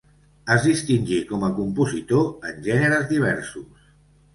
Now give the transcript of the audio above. Es distingí com a compositor en generes diversos.